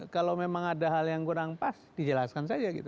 kalau memang ada hal yang kurang pas dijelaskan saja gitu